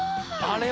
あれ？